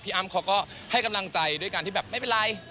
อ้ำเขาก็ให้กำลังใจด้วยการที่แบบไม่เป็นไร